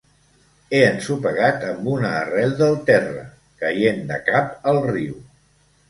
He ensopegat amb una arrel del terra, caient de cap al riu.